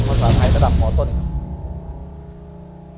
ภาษาไทยสำหรับหมอต้นครับ